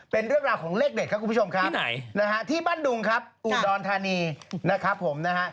เป็นเรื่องราวของเลขเด็ดครับคุณผู้ชมครับที่บ้านดุงครับอุดรธานีนะครับผมนะฮะ